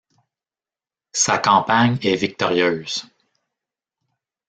Sa campagne est victorieuse.